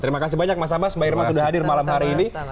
terima kasih banyak mas abbas mbak irma sudah hadir malam hari ini